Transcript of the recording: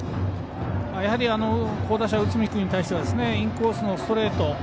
やはり好打者の内海君に対してはインコースのストレート